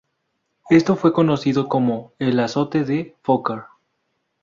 Esto fue conocido como "el azote de Fokker".